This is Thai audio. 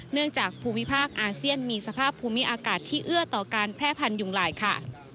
จากภูมิภาคอาเซียนมีสภาพภูมิอากาศที่เอื้อต่อการแพร่พันธุยุงลายค่ะ